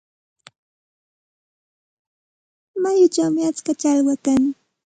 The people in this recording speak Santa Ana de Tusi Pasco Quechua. Mayuchawmi atska challwa kan.